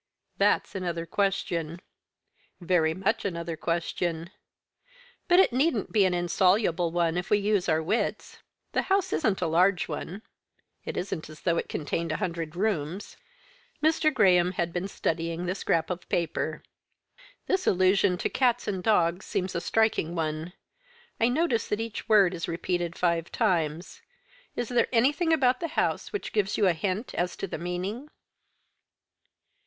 "That's another question." "Very much another question." "But it needn't be an insoluble one, if we use our wits. The house isn't a large one; it isn't as though it contained a hundred rooms." Mr. Graham had been studying the scrap of paper. "This allusion to cats and dogs seems a striking one. I notice that each word is repeated five times. Is there anything about the house which gives you a hint as to the meaning?"